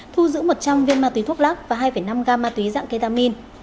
thu giữ một trăm linh viên ma túy thuốc lắc và hai năm gam ma túy dạng ketamin